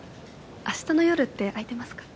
あしたの夜って空いてますか？